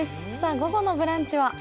午後の「ブランチ」は？